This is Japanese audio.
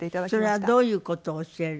それはどういう事を教える。